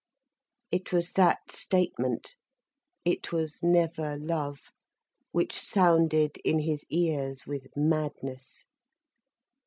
It was that statement "It was never love," which sounded in his ears with madness.